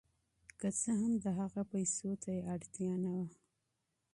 که څه هم د هغه پیسو ته یې اړتیا نه وه.